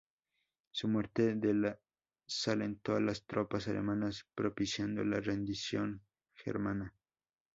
Su muerte desalentó a las tropas alemanas, propiciando la rendición germana.